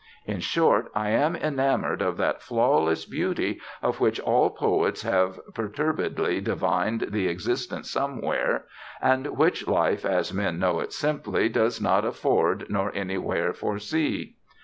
In short, I am enamored of that flawless beauty of which all poets have perturbedly divined the existence somewhere, and which life as men know it simply does not afford nor anywhere foresee....